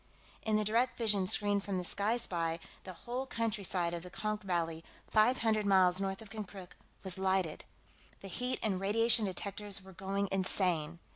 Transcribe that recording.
In the direct vision screen from the Sky Spy, the whole countryside of the Konk Valley, five hundred miles north of Konkrook, was lighted. The heat and radiation detectors were going insane.